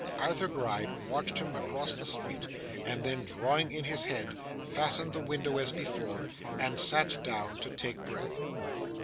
Arthur Gride watched him across the street, and then, drawing in his head, fastened the window as before, and sat down to take breath.